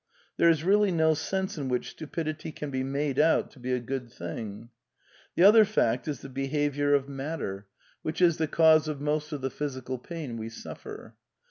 There is really no sense in which stupidity can be made out to be a good thing. The other fact is the behaviour of Matter, which is PKAGMATISM AND HUMANISM 143 the cause of most of the physical pain we suffer.